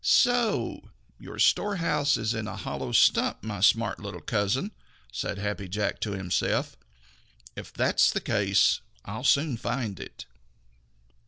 "So your storehouse is in a hollow stump, my smart little cousin!" said Happy Jack to himself. "If that's the case, I'll soon find it."